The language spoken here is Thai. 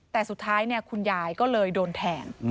แต่สุดท้ายคุณยายก็เลยโดนแทง